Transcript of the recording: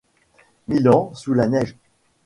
Milan, sous la neige.